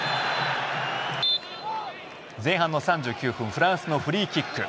前半の３９分フランスのフリーキック。